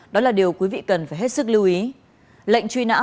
đó là điều quý vị cần phải hết sức lưu ý